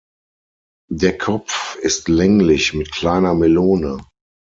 Der Kopf ist länglich mit kleiner Melone.